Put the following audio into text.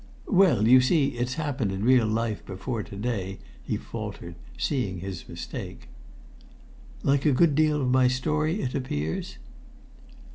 "Well, you see, it's happened in real life before to day," he faltered, seeing his mistake. "Like a good deal of my story, it appears?"